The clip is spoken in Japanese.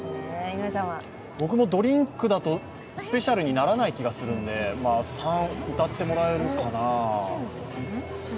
僕もドリンクだとスペシャルにならない気がするんで、３、歌ってもらえるかな？